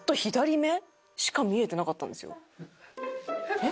えっ？